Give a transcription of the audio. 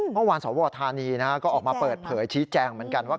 เมื่อวานสวธานีก็ออกมาเปิดเผยชี้แจงเหมือนกันว่า